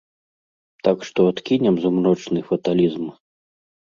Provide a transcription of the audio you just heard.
Так што адкінем змрочны фаталізм.